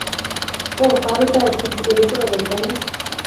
ওহ, তাহলে তো এক চুটকিতে বের করা যাবে, তাই না?